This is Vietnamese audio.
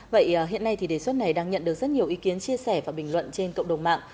vậy hiện nay thì đề xuất này đang nhận được rất nhiều ý kiến chia sẻ và bình luận trên cộng đồng mạng